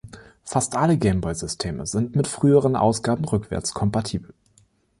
Fast alle Game Boy-Systeme sind mit früheren Ausgaben rückwärtskompatibel.